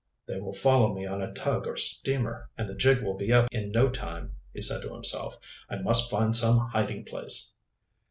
"They will follow me on a tug or steamer, and the jig will be up in no time," he said to himself "I must find some hiding place."